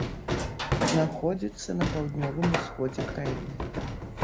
Знаходзіцца на паўднёвым усходзе краіны.